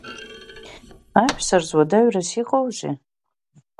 Аҳәса рзы уадаҩрас иҟоузеи?